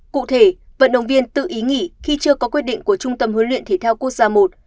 cụ thể vận động viên tự ý nghỉ khi chưa có quyết định của trung tâm huấn luyện thể thao quốc gia i